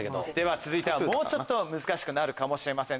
続いてはもうちょっと難しくなるかもしれません。